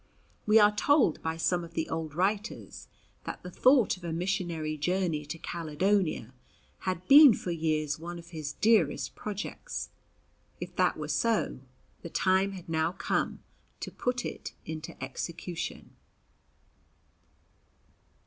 We are told by some of the old writers that the thought of a missionary journey to Caledonia had been for years one of his dearest projects. If that were so, the time had now come to put it into execution.